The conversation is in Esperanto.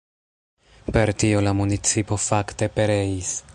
Per tio la municipo fakte pereis.